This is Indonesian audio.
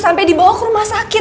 sampai dibawa ke rumah sakit